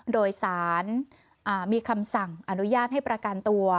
โดยสารมีคำสั่งอนุญาตให้ประกันตัว